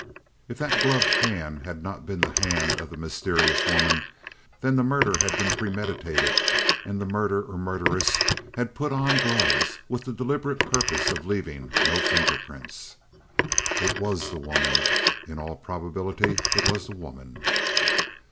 If that gloved hand had not been the hand of the mysterious woman, then the murder had been premeditated, and the murderer or murderess had put on gloves with the deliberate purpose of leaving no finger prints. It was the woman. In all probability it was the woman.